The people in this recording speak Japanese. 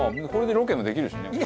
これでロケもできるしね。